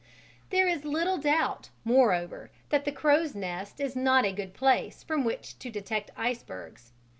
There is little doubt, moreover, that the crow's nest is not a good place from which to detect icebergs.